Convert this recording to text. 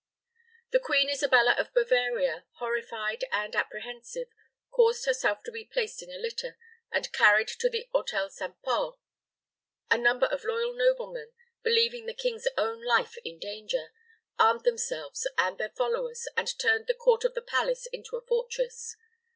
The Queen Isabella of Bavaria, horrified and apprehensive, caused herself to be placed in a litter, and carried to the Hôtel St. Pol. A number of loyal noblemen, believing the king's own life in danger, armed themselves and their followers, and turned the court of the palace into a fortress.